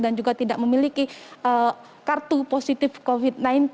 dan juga tidak memiliki kartu positif covid sembilan belas